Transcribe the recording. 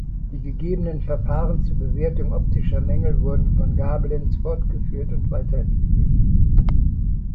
Die gegebenen Verfahren zur Bewertung optischer Mängel wurden von Gablenz fortgeführt und weiterentwickelt.